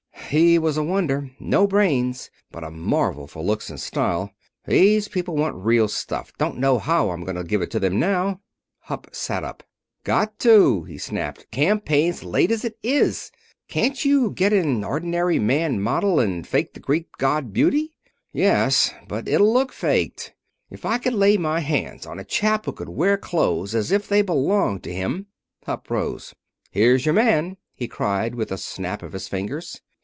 He was a wonder. No brains, but a marvel for looks and style. These people want real stuff. Don't know how I'm going to give it to them now." Hupp sat up. "Got to!" he snapped. "Campaign's late, as it is. Can't you get an ordinary man model and fake the Greek god beauty?" "Yes but it'll look faked. If I could lay my hands on a chap who could wear clothes as if they belonged to him " Hupp rose. "Here's your man," he cried, with a snap of his fingers.